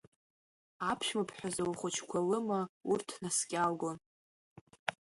Аԥшәмаԥҳәыс, лхәыҷқәа лыма, урҭ наскьалгон.